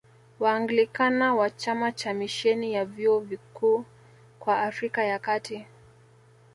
Waanglikana wa chama cha Misheni ya Vyuo Vikuu kwa Afrika ya Kati